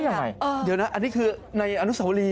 ยังไงเดี๋ยวนะอันนี้คือในอนุสาวรี